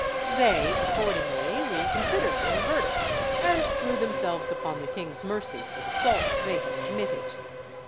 They accordingly reconsidered their verdict, and threw themselves upon the king's mercy for the fault they had committed.